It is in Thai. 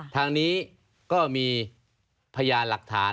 ทางนี้ก็มีพยานหลักฐาน